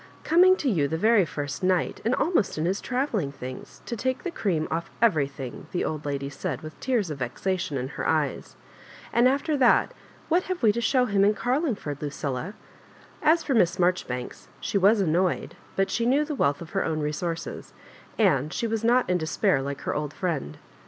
'* Coming to you the very first night, and almost in his travelling things, to take the cream off every thing," the old lady said, with tears of vexation in hex ^7^ >^ &nd after that, what have we to show him In Carlingford, Lucilla V^ As for Miss Maijoribanks, she was annoyed, but she knew the wealth of her own resources, and she was not in despair, like her old friend.